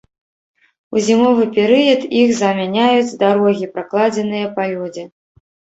У зімовы перыяд іх замяняюць дарогі, пракладзеныя па лёдзе.